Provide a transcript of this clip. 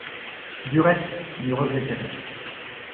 Du reste, ne regrettez rien.